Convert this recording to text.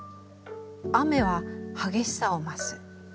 雨は激しさを増す。